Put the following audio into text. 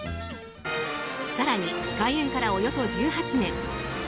更に、開園からおよそ１８年